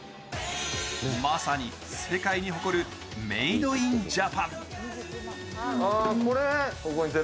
まさに世界に誇るメイド・イン・ジャパン。